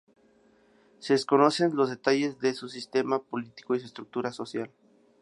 Se desconocen los detalles de su sistema político y su estructura social.